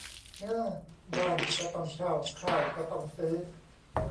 เง้อ บ้านก็ต้องเช่า ข้าวก็ต้องซื้อ